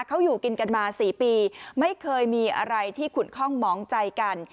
เขาอยู่กินกันมา๔ปีไม่เคยมีอะไรที่ขุนคล่องหมองใจกัน